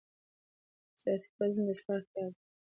سیاسي بدلون د اصلاح اړتیا ده